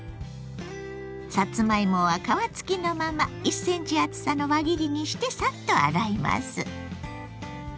さつまいもは皮付きのまま１ｃｍ厚さの輪切りにしてサッと洗います。